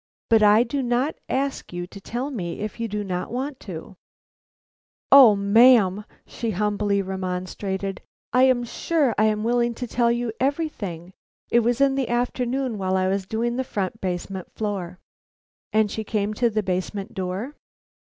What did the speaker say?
But I do not ask you to tell me if you do not want to." "O ma'am," she humbly remonstrated, "I am sure I am willing to tell you everything. It was in the afternoon while I was doing the front basement floor." "And she came to the basement door?"